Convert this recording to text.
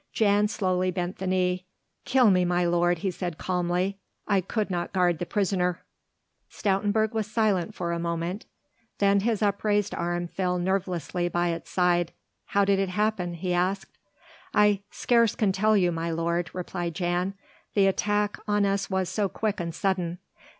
Jan slowly bent the knee. "Kill me, my lord," he said calmly, "I could not guard the prisoner." Stoutenburg was silent for a moment, then his upraised arm fell nervelessly by his side. "How did it happen?" he asked. "I scarce can tell you, my lord," replied Jan, "the attack on us was so quick and sudden.